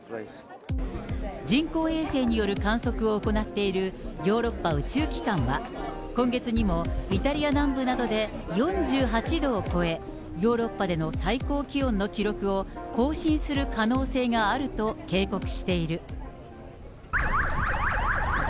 人工衛星による観測を行っているヨーロッパ宇宙機関は、今月にもイタリア南部などで４８度を超え、ヨーロッパでの最高気温の記録を更新する可能性があると警告している。